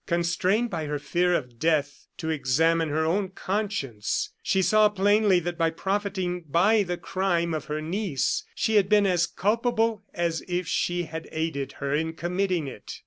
Constrained by her fear of death to examine her own conscience, she saw plainly that by profiting by the crime of her niece she had been as culpable as if she had aided her in committing it.